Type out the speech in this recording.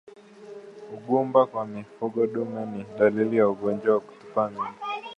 Ugumba kwa mifugo dume ni dalili za ugonjwa wa kutupa mimba